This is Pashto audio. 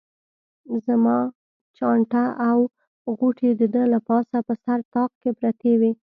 زما چانټه او غوټې د ده له پاسه په سر طاق کې پرتې وې.